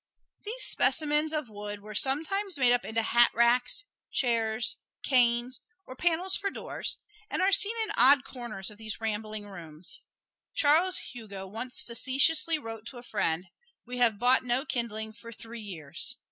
These specimens of wood were sometimes made up into hatracks, chairs, canes, or panels for doors, and are seen in odd corners of these rambling rooms. Charles Hugo once facetiously wrote to a friend: "We have bought no kindling for three years."